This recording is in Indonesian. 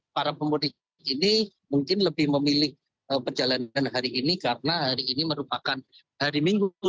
para pemudik ini mungkin lebih memilih perjalanan hari ini karena hari ini merupakan hari minggu